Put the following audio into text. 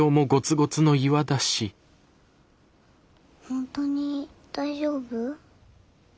本当に大丈夫？